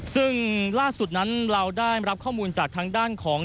ซึ่งล่าสุดนั้นเราได้รับข้อมูลจากทางด้านของ